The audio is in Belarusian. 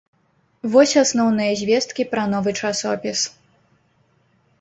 Вось асноўныя звесткі пра новы часопіс.